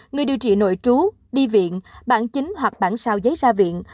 người điều trị nội trú đi viện bảng chính hoặc bảng sao giấy ra viện